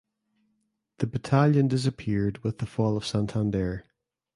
The battalion disappeared with the fall of Santander.